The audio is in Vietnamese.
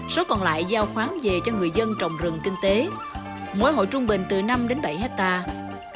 số còn lại giao khoáng về cho người dân trồng rừng kinh tế mỗi hộ trung bình từ năm đến bảy hectare